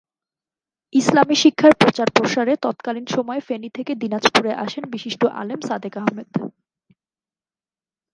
ইসলামি শিক্ষার প্রচার-প্রসারে তৎকালীন সময়ে ফেনী থেকে দিনাজপুরে আসেন বিশিষ্ট আলেম সাদেক আহমদ।